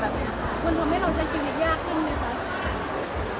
มันทำให้เราใช้ชีวิตยากขึ้นไหมคะ